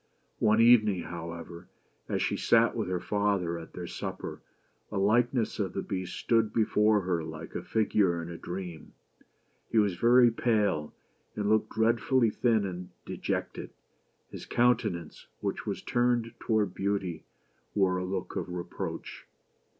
One evening, however, as she sat with her father at their supper, a likeness of the Beast stood before her like a figure in a dream. He was very pale, and looked dreadfully thin and dejected; his countenance, which was turned toward Beauty, wore a look of reproach.